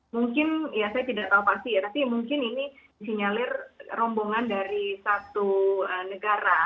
mungkin ya saya tidak tahu pasti ya tapi mungkin ini disinyalir rombongan dari satu negara